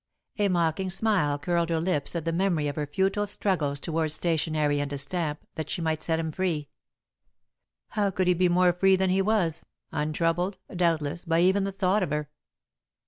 A mocking smile curled her lips at the memory of her futile struggles toward stationery and a stamp, that she might set him free. How could he be more free than he was, untroubled, doubtless, by even the thought of her?